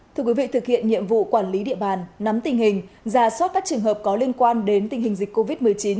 thưa quý vị thực hiện nhiệm vụ quản lý địa bàn nắm tình hình giả soát các trường hợp có liên quan đến tình hình dịch covid một mươi chín